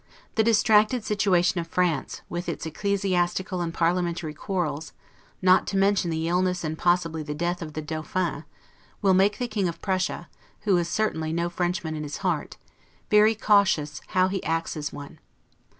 The distracted situation of France, with its ecclesiastical and parliamentary quarrels, not to mention the illness and possibly the death of the Dauphin, will make the King of Prussia, who is certainly no Frenchman in his heart, very cautious how he acts as one.